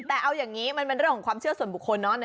แต่เอาอย่างนี้มันเป็นเรื่องของความเชื่อส่วนบุคคลเนอะ